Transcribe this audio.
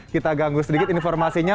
kita ganggu sedikit informasinya